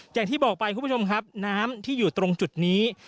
อย่างที่บอกไปคุณผู้ชมครับน้ำที่อยู่ตรงจุดนี้